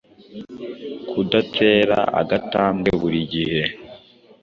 Kudatera agatambwe buri gihe